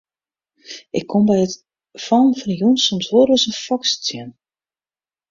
Ik kom by it fallen fan 'e jûn soms wol ris in foks tsjin.